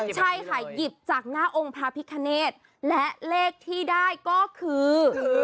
ใช่ค่ะหยิบจากหน้าองค์พระพิคเนธและเลขที่ได้ก็คือ